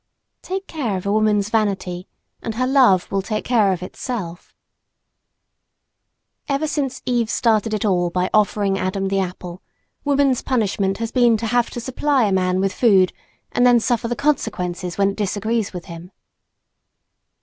Take care of a woman's vanity and her love will take care of itself. Ever since Eve started it all by offering Adam the apple, woman's punishment has been to have to supply a man with food and then suffer the consequences when it disagrees with him.